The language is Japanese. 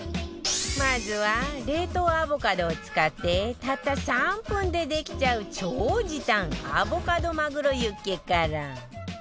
まずは冷凍アボカドを使ってたった３分でできちゃう超時短アボカドマグロユッケから